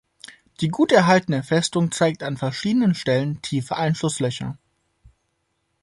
Die gut erhaltene Festung zeigt an verschiedenen Stellen tiefe Einschusslöcher.